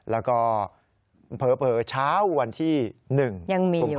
แล้วก็เผลอเช้าวันที่๑ปุ่มพาพันธ์